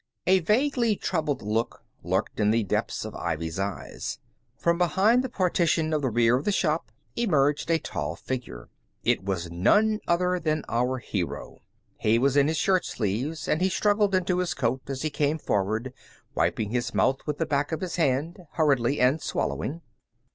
A vaguely troubled look lurked in the depths of Ivy's eyes. From behind the partition of the rear of the shop emerged a tall figure. It was none other than our hero. He was in his shirt sleeves, and he struggled into his coat as he came forward, wiping his mouth with the back of his hand, hurriedly, and swallowing.